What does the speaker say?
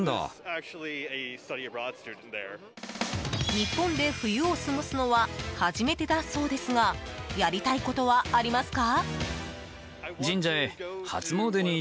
日本で冬を過ごすのは初めてだそうですがやりたいことはありますか？